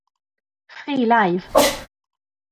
Free Live!